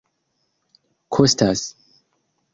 kostas